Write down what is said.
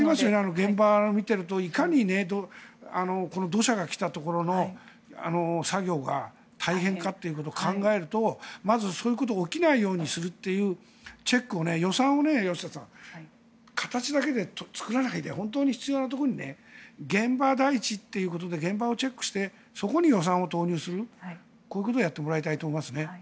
現場を見るといかに土砂が来たところの作業が大変かということを考えるとまずそういうことが起きないようにするというチェックを予算を形だけで作らないで本当に必要なところに現場第一ということで現場をチェックしてそこに予算を投入するこういうことをやってもらいたいと思いますね。